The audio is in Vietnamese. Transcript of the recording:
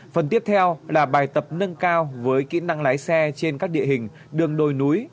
phần tiếp theo là bài tập nâng cao với kỹ năng lái xe trên các địa hình đường đồi núi